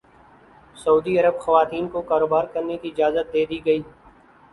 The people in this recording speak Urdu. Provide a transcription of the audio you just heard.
سعودی عرب خواتین کو کاروبار کرنے کی اجازت دے دی گئی